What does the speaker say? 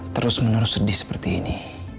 terus menerus sedih seperti ini